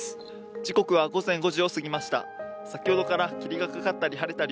時刻は午前５時を過ぎました。